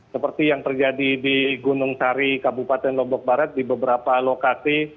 seperti yang terjadi di gunung sari kabupaten lombok barat di beberapa lokasi